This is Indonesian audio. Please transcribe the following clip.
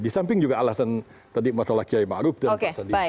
di samping juga alasan tadi mas olajjai ma'ruf dan pak sandi